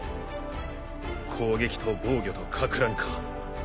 攻撃と防御とかく乱か。